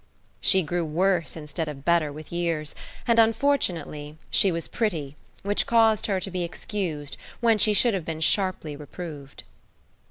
She grew worse instead of better with years, and, unfortunately, she was pretty, which caused her to be excused, when she should have been sharply reproved.